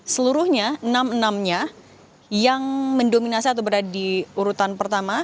seluruhnya enam enamnya yang mendominasi atau berada di urutan pertama